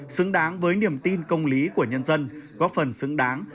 xứng đáng với niềm tin công lý của nhân dân góp phần xứng đáng